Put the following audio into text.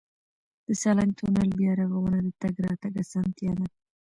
د سالنګ تونل بیا رغونه د تګ راتګ اسانتیا ده.